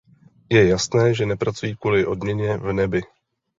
Je jasné, že nepracují kvůli odměně v nebi.